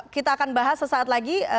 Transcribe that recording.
kita akan bahas sesaat lagi